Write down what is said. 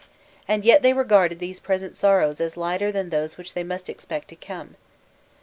And yet they regarded these present sorrows as lighter than those which they must expect to come.